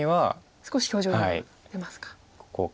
少し表情が出ますか。